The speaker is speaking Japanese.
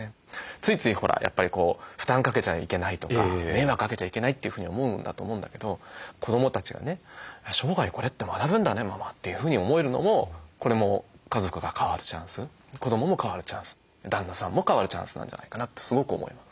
ついついほらやっぱり負担かけちゃいけないとか迷惑かけちゃいけないというふうに思うんだと思うんだけど子どもたちがね「生涯これって学ぶんだねママ」というふうに思えるのもこれも家族が変わるチャンス子どもも変わるチャンス旦那さんも変わるチャンスなんじゃないかなとすごく思います。